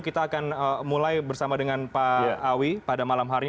kita akan mulai bersama dengan pak awi pada malam hari ini